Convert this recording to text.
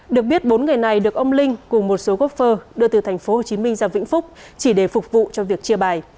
được biết bốn người này được ông linh cùng một số gốc phơ đưa từ tp hcm ra vĩnh phúc chỉ để phục vụ cho việc chia bài